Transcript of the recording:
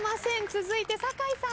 続いて酒井さん。